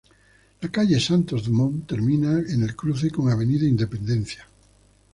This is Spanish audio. La calle Santos Dumont termina en el cruce con Avenida Independencia.